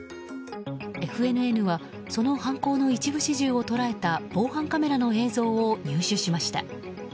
ＦＮＮはその犯行の一部始終を捉えた防犯カメラの映像を入手しました。